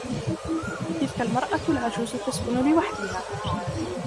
تلك المرأة العجوز تسكن لوحدها.